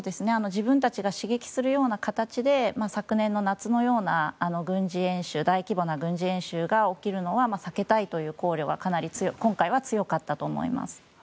自分たちが刺激するような形で昨年の夏のような大規模な軍事演習が起きるのは避けたいという考慮が今回は強かったと思います。